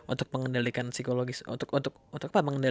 untuk mengendalikan psikologis untuk apa ya gimana